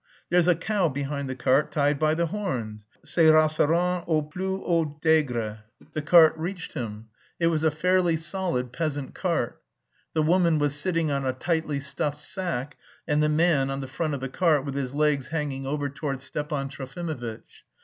_ There's a cow behind the cart tied by the horns, c'est rassurant au plus haut degré." The cart reached him; it was a fairly solid peasant cart. The woman was sitting on a tightly stuffed sack and the man on the front of the cart with his legs hanging over towards Stepan Trofimovitch.